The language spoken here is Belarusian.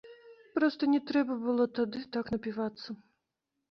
Проста не трэба было тады так напівацца.